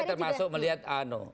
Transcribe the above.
saya termasuk melihat ano